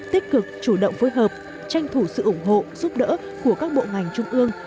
tích cực chủ động phối hợp tranh thủ sự ủng hộ giúp đỡ của các bộ ngành trung ương